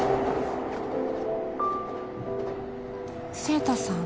晴太さん？